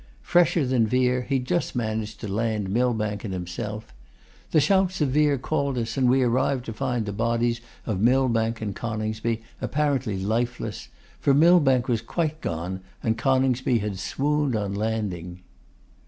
Fresher than Vere, he just managed to land Millbank and himself. The shouts of Vere called us, and we arrived to find the bodies of Millbank and Coningsby apparently lifeless, for Millbank was quite gone, and Coningsby had swooned on landing.